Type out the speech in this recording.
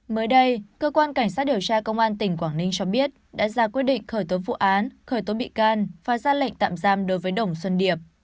mới đây cơ quan cảnh sát điều tra công an tỉnh quảng ninh cho biết đã ra quyết định khởi tố vụ án khởi tố bị can và ra lệnh tạm giam đối với đồng xuân điệp